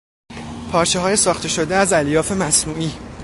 پارچههای ساخته شده از الیاف مصنوعی